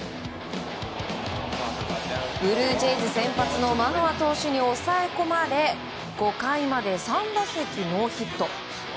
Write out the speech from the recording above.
ブルージェイズ先発のマノア投手に抑え込まれ５回まで３打席ノーヒット。